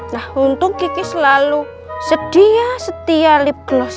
nah untung kiki selalu setia setia lipgloss